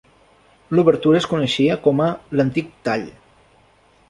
L'obertura es coneixia com a "L'antic tall".